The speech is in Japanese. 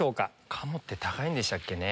鴨って高いんでしたっけね